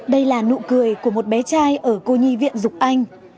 đây là nụ cười của một bé trai ở cô nhi viện dục anh